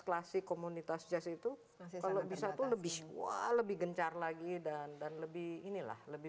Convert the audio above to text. klasik komunitas jazz itu kalau bisa tuh lebih wah lebih gencar lagi dan dan lebih inilah lebih